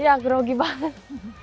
iya grogi banget